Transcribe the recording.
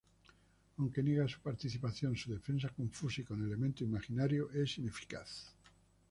Aunque niega su participación, su defensa confusa y con elementos imaginarios es ineficaz.